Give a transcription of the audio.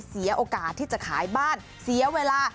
เสียโอกาสที่จะขายบ้านเสียเวลา